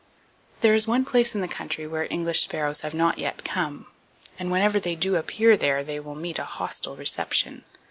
There is one place in the country where English sparrows have not yet come; and whenever they do appear there, they will meet a hostile reception.